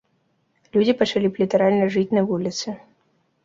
Людзі пачалі б літаральна жыць на вуліцы.